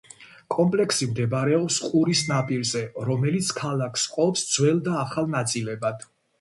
კომპლექსი მდებარეობს ყურის ნაპირზე, რომელიც ქალაქს ჰყოფს ძველ და ახალ ნაწილებად.